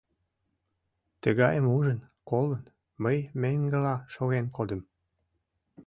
Тыгайым ужын, колын, мый меҥгыла шоген кодым.